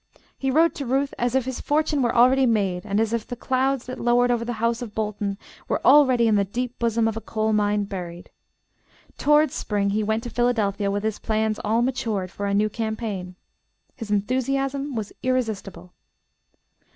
He wrote to Ruth as if his fortune were already made, and as if the clouds that lowered over the house of Bolton were already in the deep bosom of a coal mine buried. Towards spring he went to Philadelphia with his plans all matured for a new campaign. His enthusiasm was irresistible.